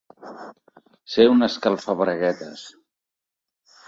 Ser una escalfabraguetes.